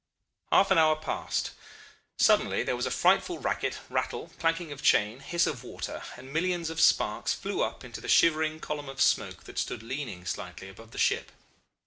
"Half an hour passed. Suddenly there was a frightful racket, rattle, clanking of chain, hiss of water, and millions of sparks flew up into the shivering column of smoke that stood leaning slightly above the ship.